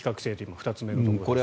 ２つ目のところですが。